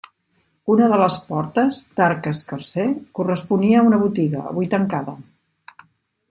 Una de les portes, d'arc escarser, corresponia a una botiga, avui tancada.